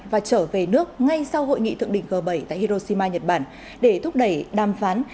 và trở về nước ngay sau hội nghị thượng đỉnh g bảy tại hiroshima nhật bản để thúc đẩy đàm phán